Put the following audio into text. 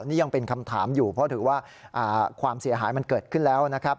นี่ยังเป็นคำถามอยู่เพราะถือว่าความเสียหายมันเกิดขึ้นแล้วนะครับ